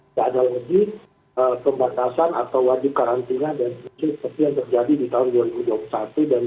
tidak ada lagi pembatasan atau wajib karantina dan seperti yang terjadi di tahun dua ribu dua puluh satu dan dua ribu dua puluh